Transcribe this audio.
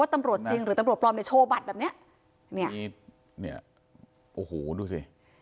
ตำรวจจริงหรือตำรวจปลอมเนี่ยโชว์บัตรแบบเนี้ยเนี่ยมีเนี่ยโอ้โหดูสิ